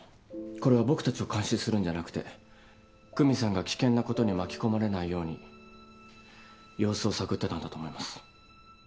これは僕たちを監視するんじゃなくて久実さんが危険なことに巻き込まれないように様子を探ってたんだと思います。